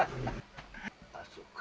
あっそっか